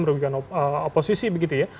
merugikan oposisi begitu ya